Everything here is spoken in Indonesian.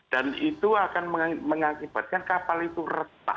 dan itu akan mengakibatkan kapal itu retak